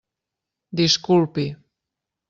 Disculpi.